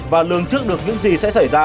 và lường trước được những gì sẽ xảy ra